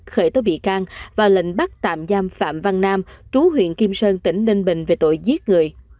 khởi tố bị can và lệnh bắt tạm giam phạm văn nam chú huyện kim sơn tỉnh ninh bình về tội giết người